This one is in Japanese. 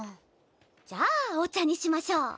じゃあお茶にしましょう。